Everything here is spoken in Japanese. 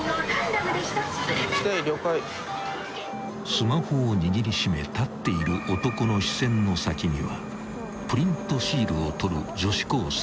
［スマホを握りしめ立っている男の視線の先にはプリントシールを撮る］